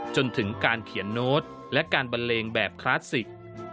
จนถึงการเขียนโน้ตและการบันเลงแบบคลาสสิก